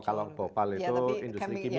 oh kalau bopal itu industri kimia